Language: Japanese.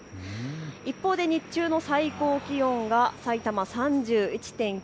一方で日中の最高気温がさいたま３１．９度。